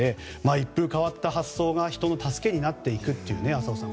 一風変わった発想が人の助けになっていくと浅尾さん